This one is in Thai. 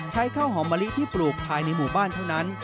ข้าวหอมมะลิที่ปลูกภายในหมู่บ้านเท่านั้น